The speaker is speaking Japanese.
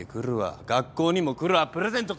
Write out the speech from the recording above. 学校にも来るわプレゼント